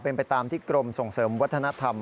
เป็นไปตามที่กรมส่งเสริมวัฒนธรรม